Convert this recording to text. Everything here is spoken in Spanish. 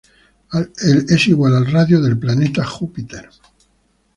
Es igual al radio del planeta Júpiter.